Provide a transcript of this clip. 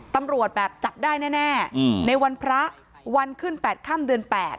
ตำรวจแบบจับได้แน่ในวันพระวันขึ้น๘ค่ำเดือน๘